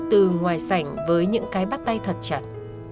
từ ngoài sảnh với những cái bắt tay thật chặt